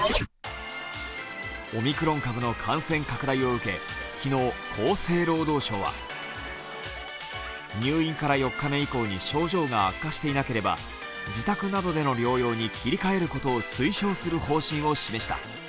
オミクロン株の感染拡大を受け、昨日、厚生労働省は入院から４日目以降に症状が悪化していなければ自宅などでの療養に切り替えることを推奨する方針を示した。